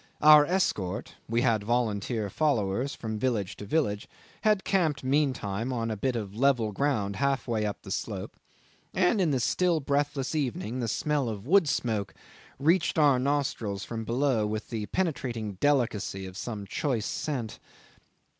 Our escort (we had volunteer followers from village to village) had camped meantime on a bit of level ground half way up the slope, and in the still breathless evening the smell of wood smoke reached our nostrils from below with the penetrating delicacy of some choice scent.